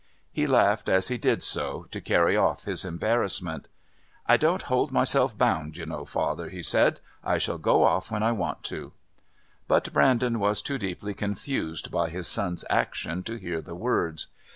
He laughed as he did so, to carry off his embarrassment. "I don't hold myself bound, you know, father," he said. "I shall go off just when I want to." But Brandon was too deeply confused by his son's action to hear the words.